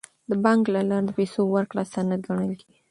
د بانک له لارې د پیسو ورکړه سند ګڼل کیږي.